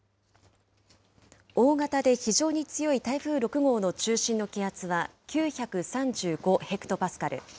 大型で非常に強い台風６号の中心の気圧は９３５ヘクトパスカル。